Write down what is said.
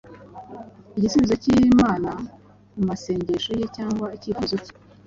igisubizo cy’Imana ku masengesho ye cyangwa icyifuzo cye.